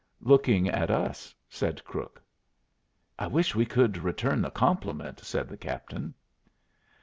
"Looking at us," said Crook. "I wish we could return the compliment," said the captain.